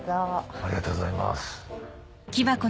ありがとうございます。